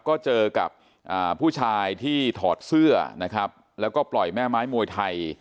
ก็เจอกับผู้ชายที่ถอดเสื้อนะครับแล้วก็ปล่อยแม่ไม้มวยไทย